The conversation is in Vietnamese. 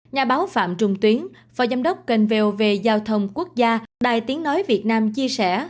nhà báo phạm trung tuyến phò giám đốc kênh vel về giao thông quốc gia đài tiếng nói việt nam chia sẻ